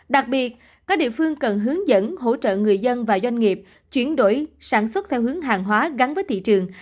đặc biệt các địa phương cần hướng dẫn hỗ trợ người dân và doanh nghiệp chuyển đổi sản xuất theo hướng hàng hóa gắn với thị trường